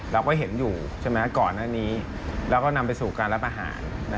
เราก็เห็นอยู่ใช่ไหมก่อนหน้านี้แล้วก็นำไปสู่การรับอาหาร